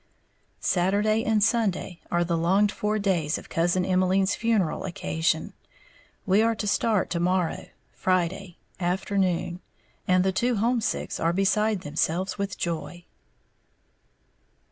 Saturday and Sunday are the longed for days of Cousin Emmeline's funeral occasion, we are to start to morrow (Friday) afternoon, and the "two homesicks" are beside themselves with joy.